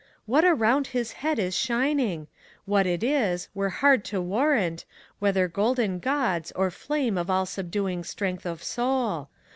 What around his head is shining? What it is, were hard to warrant, Whether golden gauds, or flame of all subduing strength of soul.